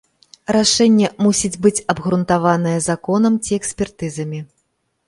Рашэнне мусіць быць абгрунтаванае законам ці экспертызамі.